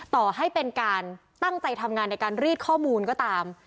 ต่อให้เป็นการตั้งใจทำงานในการรีดข้อมูลก็ตาม